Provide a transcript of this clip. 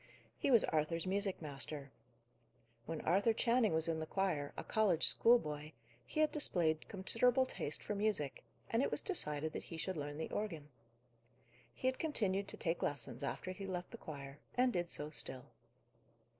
He was Arthur's music master. When Arthur Channing was in the choir, a college schoolboy, he had displayed considerable taste for music; and it was decided that he should learn the organ. He had continued to take lessons after he left the choir, and did so still.